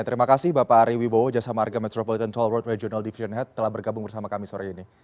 terima kasih bapak ari wibowo jasa marga metropolitan toll road regional division head telah bergabung bersama kami sore ini